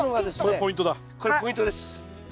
これポイントです。